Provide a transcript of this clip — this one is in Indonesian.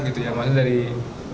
dia banyak mati sendiri banyak lakon